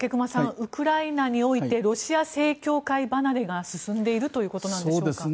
ウクライナにおいてロシア正教会離れが進んでいるということなんでしょうか。